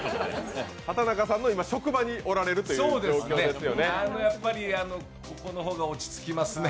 畑中さんの職場におられるという状況ですよね。